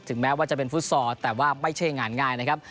แม้ว่าจะเป็นฟุตซอลแต่ว่าไม่ใช่งานง่ายนะครับ